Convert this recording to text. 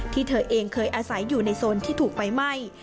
เธอเองเคยอาศัยอยู่ในโซนที่ถูกไฟไหม้